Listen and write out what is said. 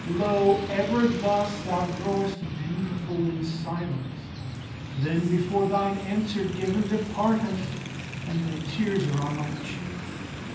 Lo! ever thus thou growest beautiful In silence, then before thine answer given Departest, and thy tears are on my cheek.